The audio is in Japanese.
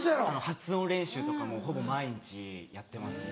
発音練習とかほぼ毎日やってますね。